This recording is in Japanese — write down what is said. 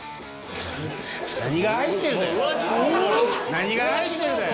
何が愛してるだよ！